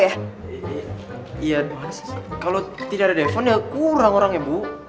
iya doa kalau tidak ada defon ya kurang orang ya bu